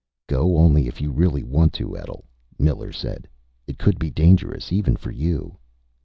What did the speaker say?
"Go only if you really want to, Etl," Miller said. "It could be dangerous even for you."